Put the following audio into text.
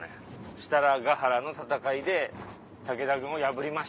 設楽原の戦いで武田軍を破りました。